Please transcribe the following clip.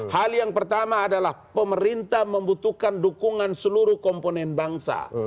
hal yang pertama adalah pemerintah membutuhkan dukungan seluruh komponen bangsa